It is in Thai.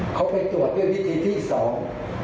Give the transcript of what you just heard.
เขาไปตรวจด้วยวิธีที่สอง